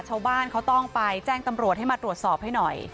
ชาวบ้านเขาต้องไปแจ้งตำรวจให้มาตรวจสอบให้หน่อย